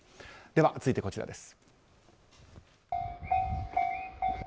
続いて、こちらです。